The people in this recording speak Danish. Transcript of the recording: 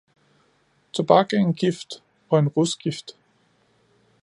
Tobak er en gift og en rusgift.